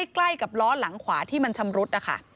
ใกล้กับล้อหลังขวาที่มันชำรุดนะคะ